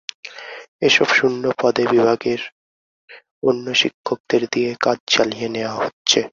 এসব শূন্য পদে বিভাগের অন্য শিক্ষকদের দিয়ে কাজ চালিয়ে নেওয়া হচ্ছে।